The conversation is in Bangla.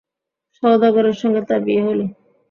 সওদাগরের সঙ্গে তার বিয়ে হল।